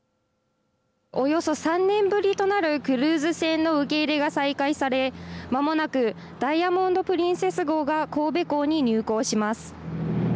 およそ３年ぶりとなるクルーズ船の受け入れが再開され、まもなくダイヤモンド・プリンセス号が神戸港に入港します。